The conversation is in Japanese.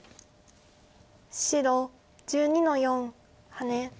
白１２の四ハネ。